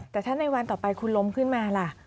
แต่ถ้าในวันต่อไปคุณล้มขึ้นมาล่ะ